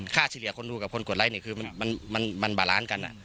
ค่าเฉลี่ยคนดูกับคนกดไลค์นี้คือมันบารานซ์กัน